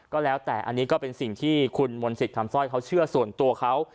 ก็แล้วแต่อันนี้ก็เป็นสิ่งที่คุณมนต์สิทธิ์คำสร้อยเขาเชื่อส่วนตัวเขา